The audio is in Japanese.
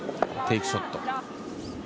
テイクショット。